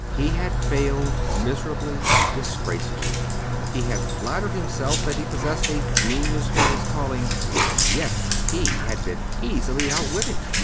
He had failed miserably, disgracefully. He had flattered himself that he possessed a genius for his calling, and yet he had been easily outwitted.